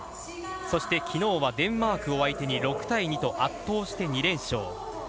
そして、きのうはデンマークを相手に６対２と圧倒して２連勝。